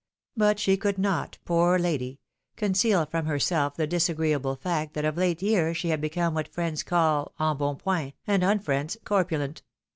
But she could not, poor lady! conceal from herself the disagreeable fact that of late years she had become what friends call embonpoint, and unfriends, corpulent.